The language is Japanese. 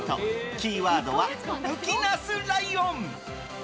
キーワードは「うきなすライオン」。